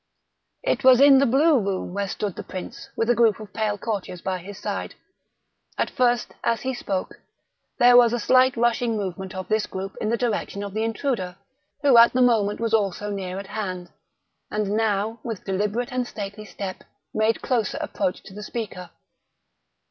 It was in the blue room where stood the prince, with a group of pale courtiers by his side. At first, as he spoke, there was a slight rushing movement of this group in the direction of the intruder, who at the moment was also near at hand, and now, with deliberate and stately step, made closer approach to the speaker.